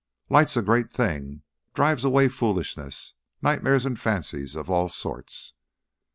"Light's a great thing drives away foolishness nightmares and fancies of all sorts."